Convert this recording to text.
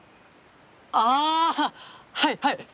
あはいはい！